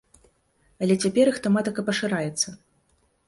Але цяпер іх тэматыка пашыраецца.